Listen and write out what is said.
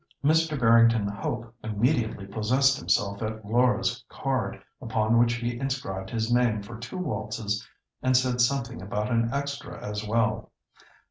Mr. Barrington Hope immediately possessed himself of Laura's card, upon which he inscribed his name for two waltzes and said something about an extra as well.